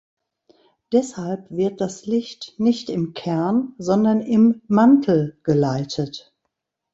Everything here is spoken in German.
Deshalb wird das Licht nicht im Kern, sondern im Mantel geleitet.